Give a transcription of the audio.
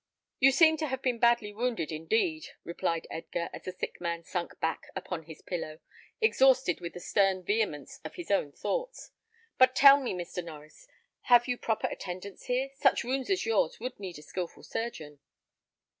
"You seem to have been badly wounded, indeed," replied Edgar, as the sick man sunk back upon his pillow, exhausted with the stern vehemence of his own thoughts; "but tell me, Mr. Norries, have you proper attendance here? Such wounds as yours would need a skilful surgeon."